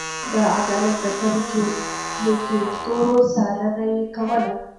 د عدالت د پلي کېدو څارنه يې کوله.